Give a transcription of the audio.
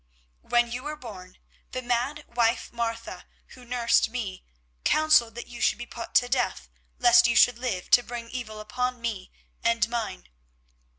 When you were born, the mad wife, Martha, who nursed me, counselled that you should be put to death, lest you should live to bring evil upon me and mine.